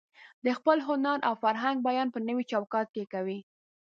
د خپل هنر او فرهنګ بیان په نوي چوکاټ کې کوي.